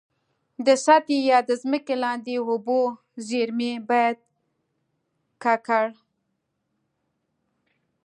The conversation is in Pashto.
د سطحي یا د ځمکي لاندي اوبو زیرمي باید ککړ.